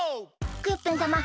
クヨッペンさま